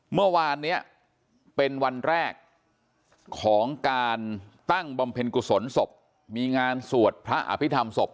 เมื่อวานนี้เป็นวันแรกของการตั้งบำเพ็ญกุศลศพมีงานสวดพระอภิษฐรรมศพ